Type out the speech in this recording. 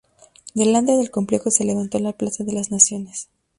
Delante del complejo se levantó la plaza de las Naciones.